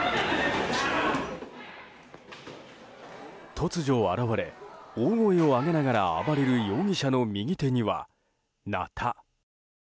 突如現れ、大声を上げながら暴れる容疑者の右手には、なた。